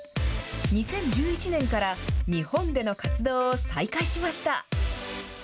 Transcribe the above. ２０１１年から、日本での活動を再開しました。